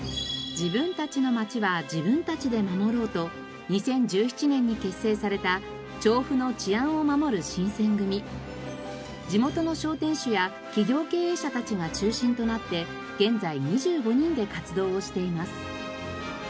自分たちの街は自分たちで守ろうと２０１７年に結成された地元の商店主や企業経営者たちが中心となって現在２５人で活動をしています。